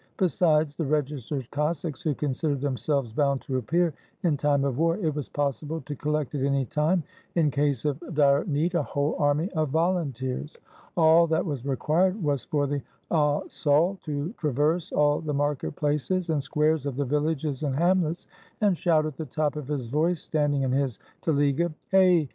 Besides the registered Cossacks, who considered themselves bound to appear in time of war, it was possible to collect at any time, in case of dire need, a whole army of volunteers. All that was required was for the osaul to traverse all the market places and squares of the villages and hamlets, and shout at the top of his voice, standing in his telega, "Hey!